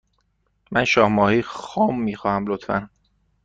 من شاه ماهی خام می خواهم، لطفا.